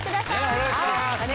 お願いします！